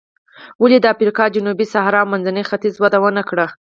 ولې د افریقا جنوبي صحرا او منځني ختیځ وده ونه کړه.